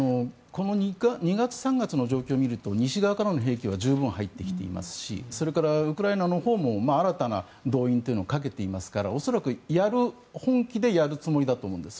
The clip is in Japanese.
２月、３月の状況を見ると西側からの兵器は十分入ってきていますしそれからウクライナのほうも新たな動員をかけていますから恐らく、本気でやるつもりだと思うんです。